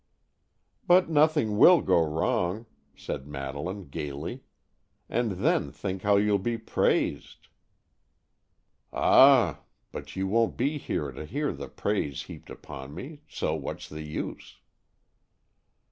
"But nothing will go wrong," said Madeleine, gaily, "and then, think how you'll be praised!" "Ah, but you won't be here to hear the praise heaped upon me, so what's the use?"